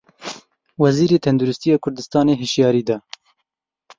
Wezîrê Tendirustiya Kurdistanê hişyarî da.